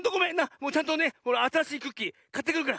もうちゃんとねあたらしいクッキーかってくるから。